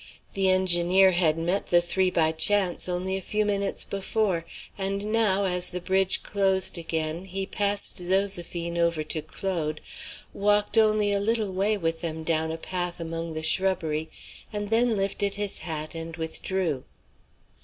The engineer had met the three by chance only a few minutes before, and now as the bridge closed again he passed Zoséphine over to Claude, walked only a little way with them down a path among the shrubbery, and then lifted his hat and withdrew.